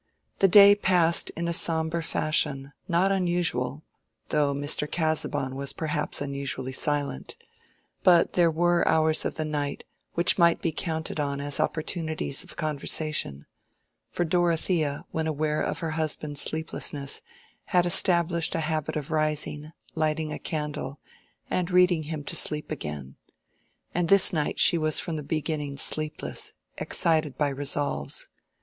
The day passed in a sombre fashion, not unusual, though Mr. Casaubon was perhaps unusually silent; but there were hours of the night which might be counted on as opportunities of conversation; for Dorothea, when aware of her husband's sleeplessness, had established a habit of rising, lighting a candle, and reading him to sleep again. And this night she was from the beginning sleepless, excited by resolves.